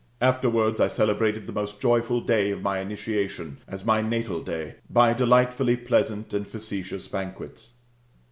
Afterwards, I celebrated the most joyful day of my initiation, as my natal day,^^ by delightfully pleasant and facetious banquets.